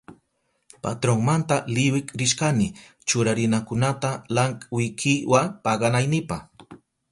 Patronmanta liwik rishkani churarinakunata lankwikiwa paganaynipa.